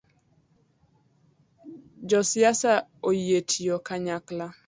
Josiasa oyie tiyo kanyakla